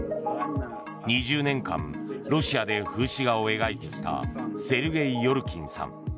２０年間ロシアで風刺画を描いてきたセルゲイ・ヨルキンさん。